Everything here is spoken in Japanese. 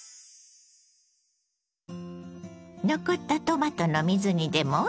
残ったトマトの水煮でもう一品！